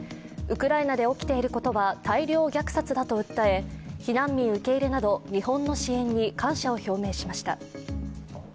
ウクライナで起きていることは大量虐殺だと訴え避難民受け入れなど日本の支援に感謝を表明しました。